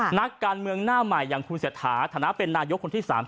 นักการเมืองหน้าใหม่อย่างคุณเศรษฐาฐานะเป็นนายกคนที่๓๐